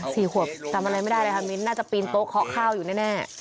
สี่ขวบจำอะไรไม่ได้เลยค่ะมิ้นน่าจะปีนโต๊ะเคาะข้าวอยู่แน่แน่